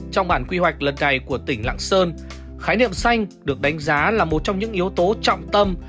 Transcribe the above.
trong bản quy hoạch lần này của tỉnh lạng sơn khái niệm xanh được đánh giá là một trong những yếu tố trọng tâm